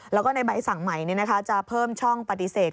แล้วก็ในใบสั่งใหม่จะเพิ่มช่องปฏิเสธ